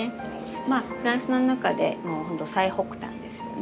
まあフランスの中でもうほんと最北端ですよね。